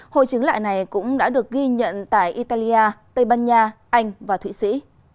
hội chứng lại này cũng đã được ghi nhận tại italia tây ban nha anh và thụy sĩ